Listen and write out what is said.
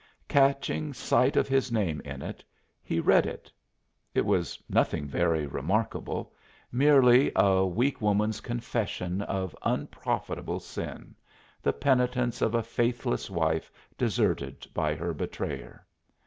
Catching sight of his name in it he read it. It was nothing very remarkable merely a weak woman's confession of unprofitable sin the penitence of a faithless wife deserted by her betrayer.